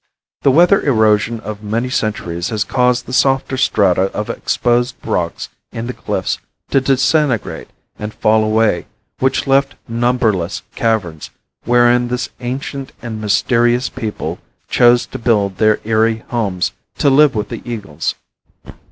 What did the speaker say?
The weather erosion of many centuries has caused the softer strata of exposed rocks in the cliffs to disintegrate and fall away, which left numberless caverns wherein this ancient and mysterious people chose to build their eyrie homes to live with the eagles.